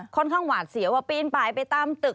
ค่อนข้างหวาดเสียว่าปีนป่ายไปตามตึก